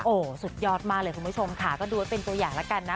โอ้โหสุดยอดมากเลยคุณผู้ชมค่ะก็ดูไว้เป็นตัวอย่างแล้วกันนะ